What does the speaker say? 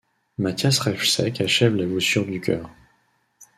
Matthias Rejsek achève la voussure du chœur.